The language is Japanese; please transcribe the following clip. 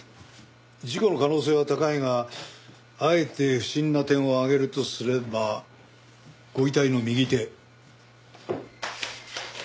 事故の可能性は高いがあえて不審な点を挙げるとすればご遺体の右手。